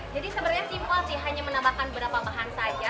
jadi sebenarnya simpel sih hanya menambahkan beberapa bahan saja